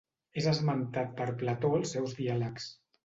És esmentat per Plató als seus diàlegs.